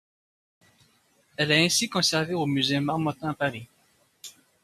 Elle est ainsi conservée au musée Marmottan à Paris.